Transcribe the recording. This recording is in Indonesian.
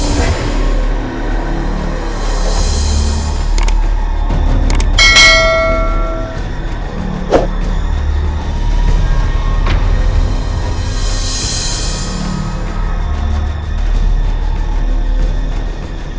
ya tuan aspar